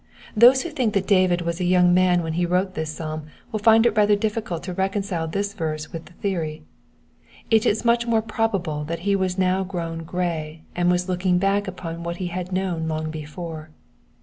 Those who think that David was a young man when he wrote this psalm will find it rather difficult to reconcile this verse with the theory ; it is much more probable that he was now grown grey, and was looking back upon what he had known long before.